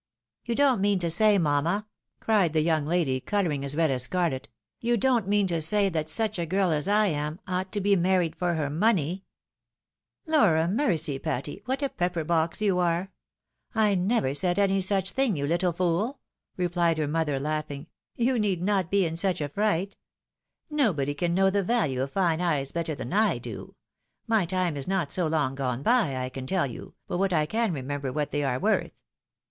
" Tou don't mean to say, mamma,"^ cried the young lady, colouring as red as scarlet, "you don't mean to say that such a girl as I am ought to be married for her money ?"" Lor a mercy, Patty, what a pepper box you are ! I never said any such thing, you little fool," rephed her mother, laugh ing. " Tou need not be in such a fright. Nobody can know the value of fine eyes better than I do ; my time is not so long gone by, I can tell you, but what I can remember what they are worth.